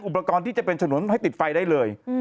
อุปกรณ์ที่จะเป็นถนนให้ติดไฟได้เลย